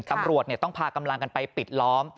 ตำรวจต้องพากำลังกันไปปิดล้อม